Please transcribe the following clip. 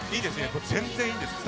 全然いいですよ！